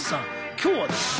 今日はですね